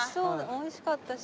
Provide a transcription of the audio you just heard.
おいしかったし。